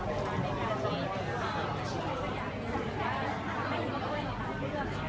มันเป็นภาษาไทยก็ไม่ได้จัดการ